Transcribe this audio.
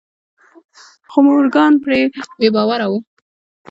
خو مورګان پرې بې باوره و.